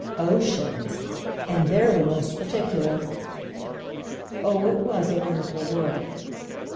"Oceans. And they're the most particular." Oh it was a wonderful world.